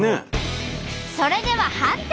それでは判定。